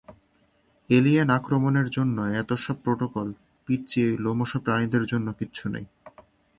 Alien আক্রমণের জন্য এত সব প্রটোকল, পিচ্চি এই লোমশ প্রাণীদের জন্য কিচ্ছু নেই।